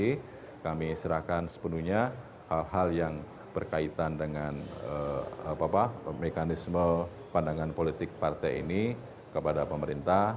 saya juga ingin mencerahkan sepenuhnya hal hal yang berkaitan dengan mekanisme pandangan politik partai ini kepada pemerintah